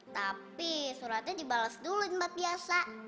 tapi suratnya dibalas dulu di tempat biasa